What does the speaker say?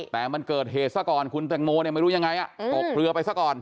แต่มันเกิดเหตุซะก่อนคุณแตงโมเนี่ยไม่รู้ยังไงตกเรือไปซะก่อน